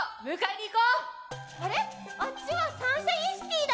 あっちはサンシャインシティだ！